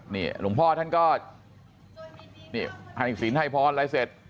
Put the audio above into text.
นี่หลวงพ่อท่านก็หันศิลป์ให้พ้นอะไรเสร็จ